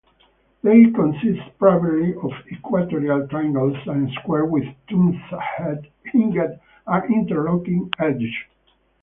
They consist primarily of equilateral triangles and squares with toothed, hinged, and interlocking edges.